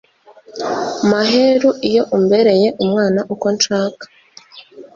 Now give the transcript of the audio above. maheru iyo umbereye umwana uko nshaka